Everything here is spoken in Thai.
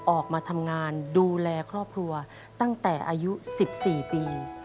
ออกมาทำงานดูแลครอบครัวตั้งแต่อายุ๑๔ปี